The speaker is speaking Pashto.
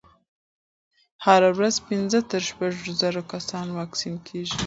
هره ورځ پنځه تر شپږ زره کسانو واکسین کېږي.